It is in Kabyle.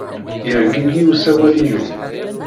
Yergigi usawal-inu.